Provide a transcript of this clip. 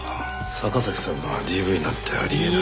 坂崎さんがＤＶなんてあり得ない。